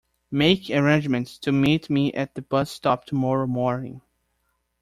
Make arrangements to meet me at the bus stop tomorrow morning.